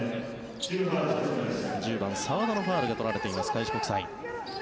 １０番、澤田のファウルが取られています